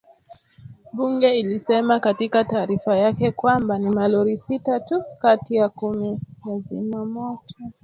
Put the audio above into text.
Bunge lilisema katika taarifa yake kwamba ni malori sita tu kati ya kumi ya zimamoto